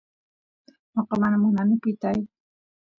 noqa mana munani pitay